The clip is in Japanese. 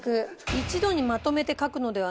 「一度にまとめてかくのではない。